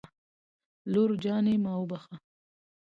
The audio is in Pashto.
لور جانې ما وبښه